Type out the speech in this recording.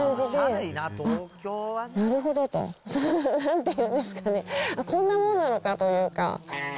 あっ、なるほどと。なんて言うんですかね、こんなもんなのかというか。